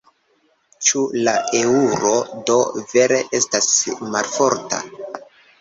Ĉu la eŭro do vere estas malforta?